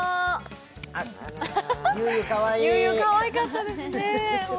ゆうゆう、かわいかったですね。